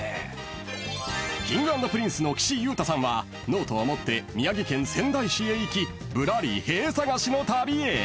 ［Ｋｉｎｇ＆Ｐｒｉｎｃｅの岸優太さんはノートを持って宮城県仙台市へ行きぶらりへぇー探しの旅へ］